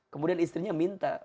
kemudian istrinya minta